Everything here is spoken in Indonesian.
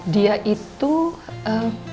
dia itu ehm